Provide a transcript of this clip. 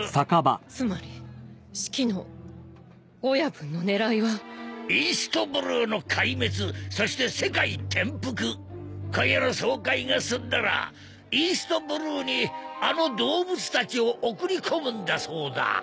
つまりシキの親分の狙いは「東の海」の壊滅そして世界転覆今夜の総会が済んだらイーストブルーにあの動物たちを送り込むんだそうだ